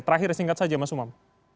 terakhir singkat saja mas umam